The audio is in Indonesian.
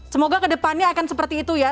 semoga kedepannya akan seperti itu ya